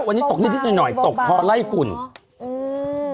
วันนี้ตกนิดนิดหน่อยหน่อยตกพอไล่ฝุ่นอืม